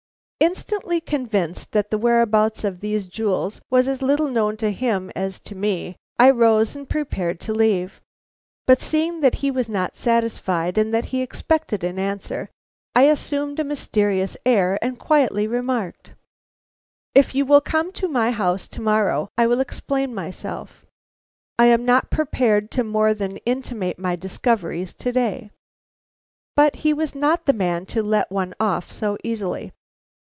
_" Instantly convinced that the whereabouts of these jewels was as little known to him as to me, I rose and prepared to leave. But seeing that he was not satisfied, and that he expected an answer, I assumed a mysterious air and quietly remarked: "If you will come to my house to morrow I will explain myself. I am not prepared to more than intimate my discoveries to day." But he was not the man to let one off so easily.